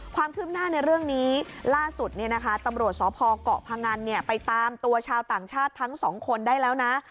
ความคืบหน้าในเรื่องนี้ล่าสุดตำรวจสพเกาะพงันไปตามตัวชาวต่างชาติทั้งสองคนได้แล้วนะ